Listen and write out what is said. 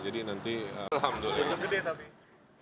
jadi nanti alhamdulillah